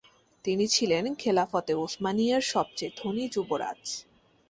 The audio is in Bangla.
তিনি ছিলেন খেলাফতে ওসমানিয়ার সবচেয়ে ধনী যুবরাজ।